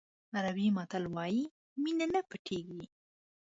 عربي متل وایي مینه نه پټېږي.